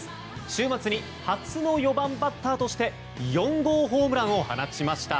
週末に初の４番バッターとして４号ホームランを放ちました。